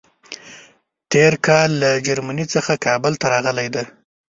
تېر کال له جرمني څخه کابل ته راغلی دی.